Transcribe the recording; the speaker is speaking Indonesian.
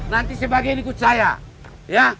nanti sebagian ikut saya